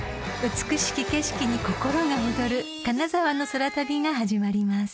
［美しき景色に心が躍る金沢の空旅が始まります］